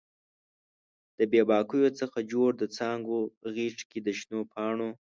د بې باکیو څخه جوړ د څانګو غیږ کې د شنو پاڼو